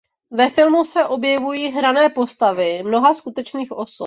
Ve filmu se objevují hrané postavy mnoha skutečných osob.